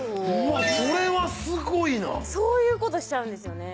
うわっそれはすごいなそういうことしちゃうんですよね